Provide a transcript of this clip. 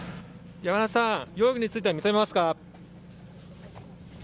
山田さん、容疑については認めますか？